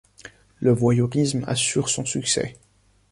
Le voyeurisme assure son succès.